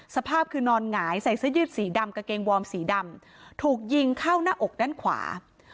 สภาพคือนอนหงายใส่ซะยืดสีดำกระเกงวอร์มสีดำ